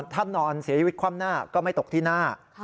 ถ้านอนเสียชีวิตคว่ำหน้าก็ไม่ตกที่หน้า